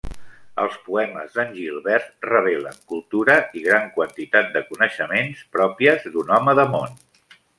Els poemes d'Angilbert revelen cultura i gran quantitat de coneixements, pròpies d'un home de món.